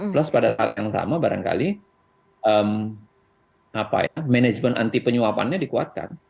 plus pada hal yang sama barangkali manajemen anti penyuapannya dikuatkan